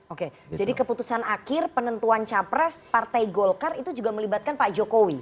oke jadi keputusan akhir penentuan capres partai golkar itu juga melibatkan pak jokowi